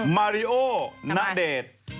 มาริโอณเดชน์